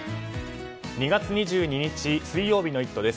２月２２日水曜日の「イット！」です。